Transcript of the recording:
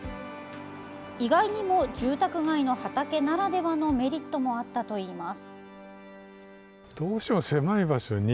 意外にも、住宅街の畑ならではのメリットもあったといいます。